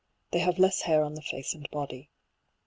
They have less hair on the face and body.